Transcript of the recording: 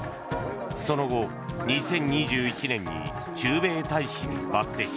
その後、２０２１年に駐米大使に抜擢。